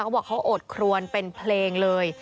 เขาบอกเขาอดครวนเป็นเพลงเลย